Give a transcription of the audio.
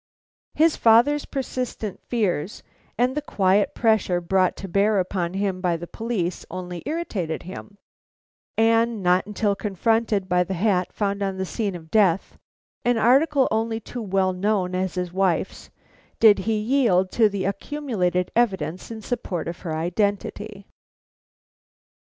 His father's persistent fears and the quiet pressure brought to bear upon him by the police only irritated him, and not until confronted by the hat found on the scene of death, an article only too well known as his wife's, did he yield to the accumulated evidence in support of her identity.